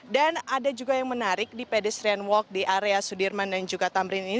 dan ada juga yang menarik di pedestrian walk di area sudirman dan juga tamrin ini